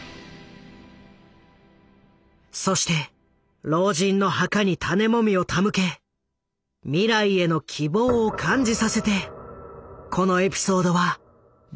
そして老人の墓に種モミを手向け未来への希望を感じさせてこのエピソードは幕を閉じる。